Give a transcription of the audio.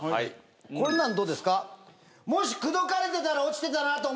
こんなんどうですか？